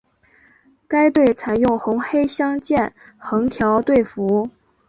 该队采用红黑相间横条队服。